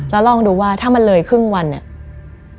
แล้วลองดูว่าถ้ามันเลยครึ่งวันเนี่ย